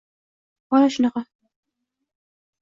Holat shunaqa.